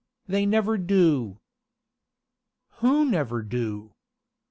They never do." "Who never do?"